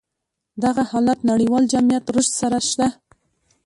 دغه حالت نړيوال جميعت رشد سره شته.